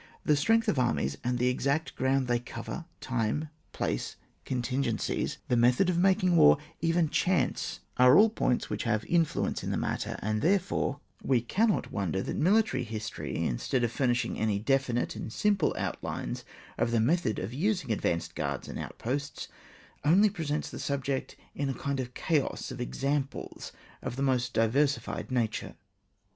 The strength of armies and the extent of groimd they cover, time, place, contin gencies, the method of making war, even • chance, are all points which have an in fluence in the matter ; and, therefore, we cannot wonder that military history, in stead of furnishing any definite and sim ple outlines of the method of using ad vanced guards and outposts, only presents the subject in a kind of chaos of exam ples of the most diversified nature.